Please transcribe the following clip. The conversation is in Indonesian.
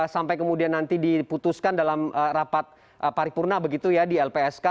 sampai kemudian nanti diputuskan dalam rapat paripurna begitu ya di lpsk